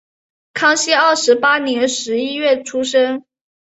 康熙二十八年十一月出生。